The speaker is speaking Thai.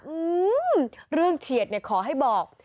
อืมเรื่องเฉียดขอให้บอก